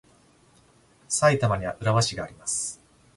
埼玉には浦和市があります。